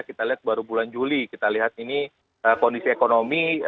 kita lihat baru bulan juli kita lihat ini kondisi ekonomi